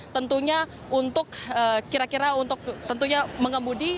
tentunya untuk kira kira untuk tentunya mengemudi